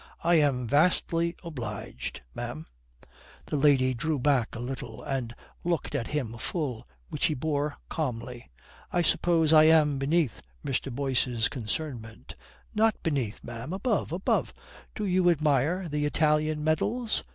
"I am vastly obliged, ma'am." The lady drew back a little and looked at him full, which he bore calmly. "I suppose I am beneath Mr. Boyce's concernment." "Not beneath, ma'am. Above. Above. Do you admire the Italian medals?